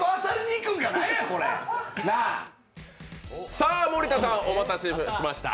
さあ森田さん、お待たせしました。